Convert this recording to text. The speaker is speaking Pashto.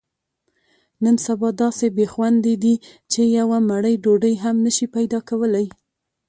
نن سبا داسې بې خوندۍ دي، چې یوه مړۍ ډوډۍ هم نشې پیداکولی.